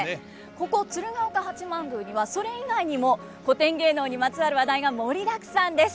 ここ鶴岡八幡宮にはそれ以外にも古典芸能にまつわる話題が盛りだくさんです。